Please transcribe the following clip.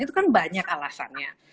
itu kan banyak alasannya